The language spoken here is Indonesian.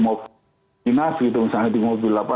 mobil minas gitu misalnya di mobil apa